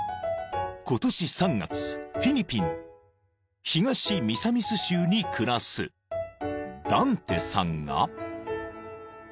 ［フィリピン東ミサミス州に暮らすダンテさんが］